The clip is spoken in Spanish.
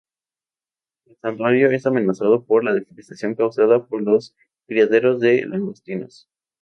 El santuario es amenazado por la deforestación causada por los criaderos de langostinos.